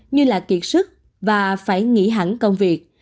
như là kiệt sức và phải nghỉ hẳn công việc